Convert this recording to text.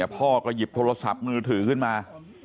พ่อก็หยิบโทรศัพท์มือถือขึ้นมา